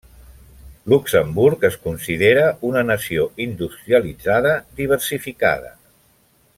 Luxemburg es considera una nació industrialitzada diversificada.